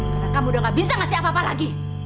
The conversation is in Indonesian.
karena kamu udah gak bisa ngasih apa apa lagi